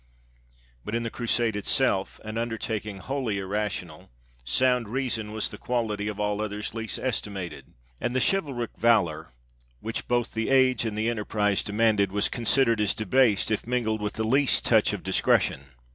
But in the Crusade itself, an undertak ing wholly irrational, sound reason was the quality, of all others, least estimated, and the chivalric valor which both the age and the enterprise demanded, was consid ered as debased, if mingled with the least touch of dis cretion.